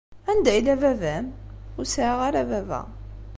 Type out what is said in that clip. Anda yella baba-m? Ur sɛiɣ ara baba.